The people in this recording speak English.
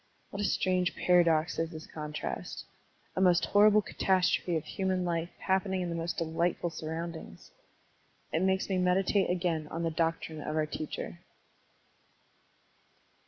What a strange paradox is this contrast, — a most horrible catastrophe of human life happening in the most delightful surroundings! It makes me meditate again on the doctrine of our teacher.